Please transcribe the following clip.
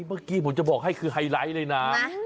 เมื่อกี้ผมจะบอกให้คือไฮไลท์เลยนะ